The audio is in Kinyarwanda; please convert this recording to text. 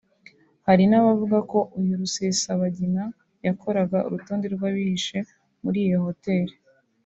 Hari n’abavuga ko uyu Rusesabagina yakoraga urutonde rw’abihishe muri iyo hoteli